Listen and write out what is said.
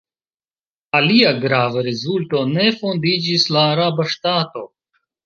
Alia grava rezulto: ne fondiĝis la araba ŝtato.